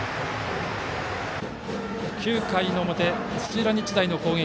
９回の表、土浦日大の攻撃。